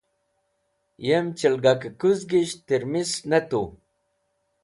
Yem chelgakẽkuzgisht tẽrmis ne tu.